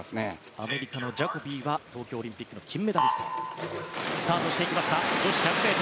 アメリカのジャコビーは東京オリンピックの金メダリスト。